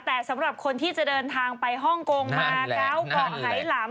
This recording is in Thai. แต่สำหรับคนที่จะเดินทางไปฮ่องกงมาเกาะไหลำ